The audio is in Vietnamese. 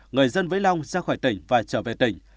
người dân với long ra khỏi tỉnh và trở về tỉnh